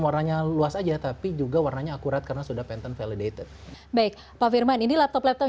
warnanya luas aja tapi juga warnanya akurat karena sudah pantau validated baik pak firman ini laptop laptop